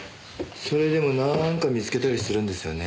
それでもなんか見つけたりするんですよね